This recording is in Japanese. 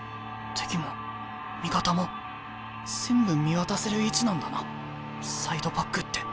敵も味方も全部見渡せる位置なんだなサイドバックって。